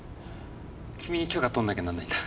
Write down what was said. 君に許可取んなきゃなんないんだ。